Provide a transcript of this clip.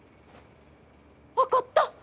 分かった！